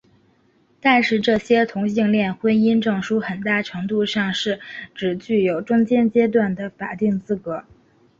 但是这些同性恋婚姻证书很大程度上是只具有中间阶段的法定资格。